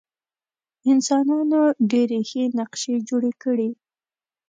انسانانو ډېرې ښې نقشې جوړې کړې.